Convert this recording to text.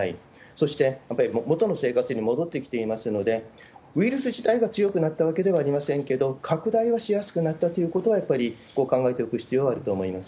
そして、やっぱり元の生活に戻ってきていますので、ウイルス自体が強くなったわけではありませんけれども、拡大はしやすくなったということは、やっぱり考えておく必要はあると思います。